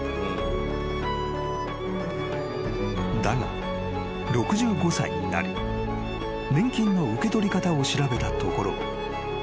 ［だが６５歳になり年金の受け取り方を調べたところ］